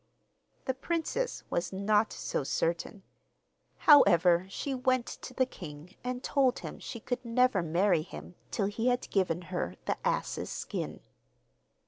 The princess was not so certain; however, she went to the king, and told him she could never marry him till he had given her the ass's skin.